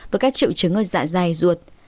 với các triệu chứng ở dạ dày ruột